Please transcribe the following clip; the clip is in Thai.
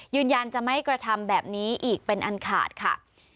ยืนยันจะไม่กระทำแบบนี้อีกเป็นอันขาดค่ะ